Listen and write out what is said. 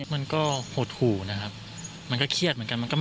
มันก็หดหู่นะครับมันก็เครียดเหมือนกัน